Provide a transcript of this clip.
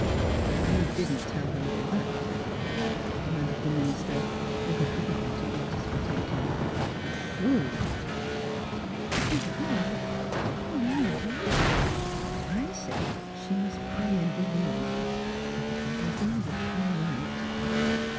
" You didn't tell her all that, my dear? " de manded the minister, who had forgotten to eat his potato. " Surely, you didn't "" No — no, indeed! I said she must pray and 244 THE HEAKT OF PHILURA believe, and that everytliing would come right.